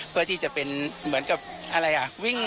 พอที่จะเป็นเหมือนกับอะไรอ่ะ